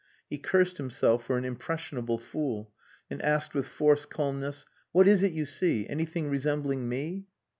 He cursed himself for an impressionable fool, and asked with forced calmness "What is it you see? Anything resembling me?"